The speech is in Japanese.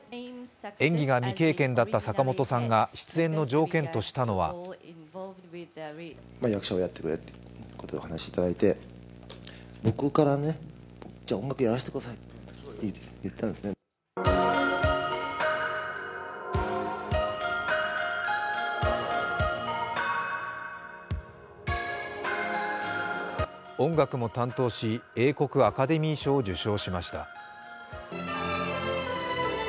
演技が未経験だった坂本さんが出演の条件としたのは音楽も担当し、英国アカデミー賞を受賞。